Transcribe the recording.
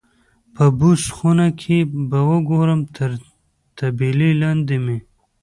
په بوس خونه کې به وګورم، تر طبیلې لاندې مې.